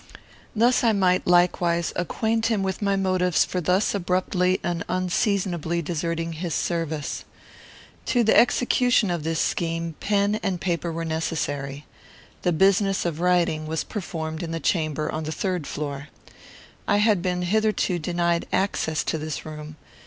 Thus I might, likewise, acquaint him with my motives for thus abruptly and unseasonably deserting his service. To the execution of this scheme pen and paper were necessary. The business of writing was performed in the chamber on the third story. I had been hitherto denied access to this room.